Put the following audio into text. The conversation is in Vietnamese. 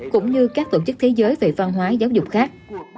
cũng như các tổ chức thế giới về văn hóa giáo dục khác